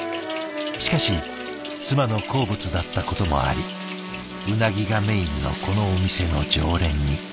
しかし妻の好物だったこともありうなぎがメインのこのお店の常連に。